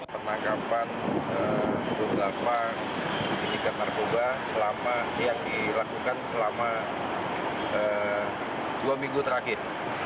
pernangkapan beberapa penyikap narkoba yang dilakukan selama dua minggu terakhir